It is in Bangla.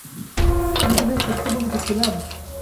আমি কি ভাই সত্য বলিতেছিলাম?